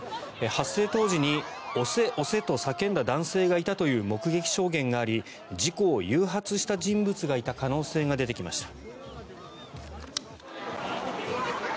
発生当時に押せ、押せと叫んだ男性がいたという目撃証言があり事故を誘発した人物がいた可能性が出てきました。